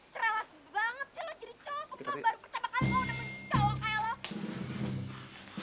cerah banget sih lu jadi cowok semua baru pertama kali kau nemu cowok kayak lu